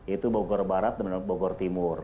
itu bogor barat dan bogor timur